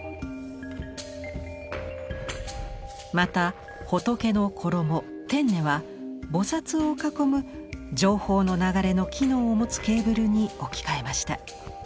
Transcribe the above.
また仏の衣天衣は菩を囲む情報の流れの機能を持つケーブルに置き換えました。